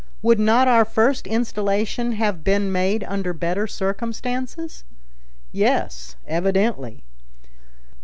Would not our first installation have been made under better circumstances? Yes, evidently.